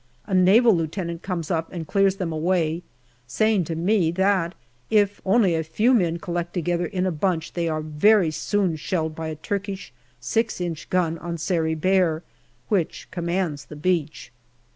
A Naval Lieutenant comes up and clears them away, saying to me that if only a few men collect together in a bunch they are very soon shelled by a Turkish 6 inch gun on Sari Bair, which commands the beach.